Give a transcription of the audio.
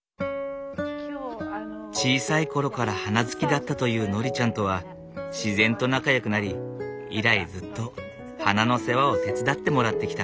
小さい頃から花好きだったというノリちゃんとは自然と仲よくなり以来ずっと花の世話を手伝ってもらってきた。